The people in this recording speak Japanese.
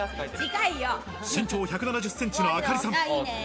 身長１７０ｃｍのアカリさん。